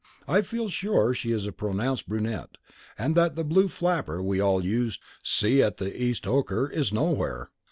I feel sure that she is a pronounced brunette and that the Blue Flapper we all used to see at the East Ocker is nowhere.